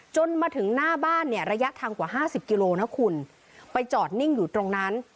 จนมาถึงหน้าบ้านเนี่ยระยะทางกว่าห้าสิบกิโลนะคุณไปจอดนิ่งอยู่ตรงนั้น